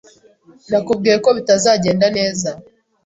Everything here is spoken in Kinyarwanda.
Nakubwiye ko bitazagenda neza.